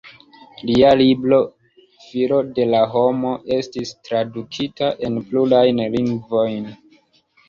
Lia libro "Filo de la homo" estis tradukita en plurajn lingvojn.